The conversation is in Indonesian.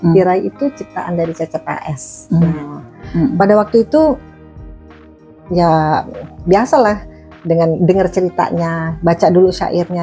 diraih itu ciptaan dari ceceps pada waktu itu ya biasalah dengan dengar ceritanya baca dulu syairnya